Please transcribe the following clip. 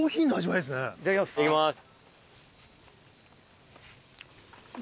いただきます。